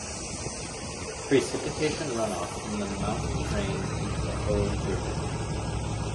Precipitation runoff from the mountain drains into the Hoh River.